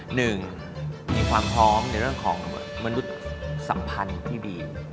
หนึ่งมีความพร้อมในเรื่องของมนุษย์สัมพันธ์ที่ดี